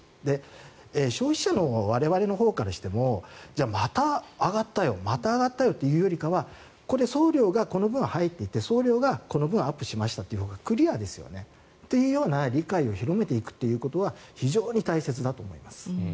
消費者の側もじゃあ、また上がったよまた上がったよというよりは送料がこの分入っていて送料がこの分アップしましたというほうがクリアですよね。というような理解を広めていくのは非常に大切だと思います。